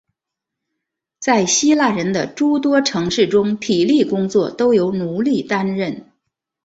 在希腊人的诸多城市中体力工作都由奴隶担任。